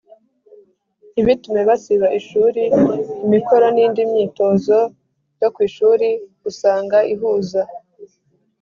ntibitume basiba ishuri. Imikoro n’indi myitozo yo ku ishuri usanga ihuza